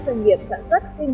nhằm kiểm soát tốt hơn